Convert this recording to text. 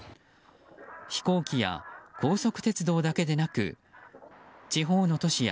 飛行機や高速鉄道だけでなく地方の都市や